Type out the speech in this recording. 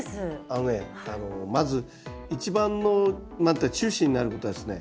あのねまず一番の中心になることはですね